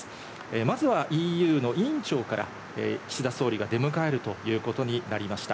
まずはＥＵの委員長から岸田総理が出迎えるということになりました。